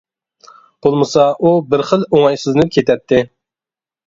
بولمىسا ئۇ بىر خىل ئوڭايسىزلىنىپ كېتەتتى.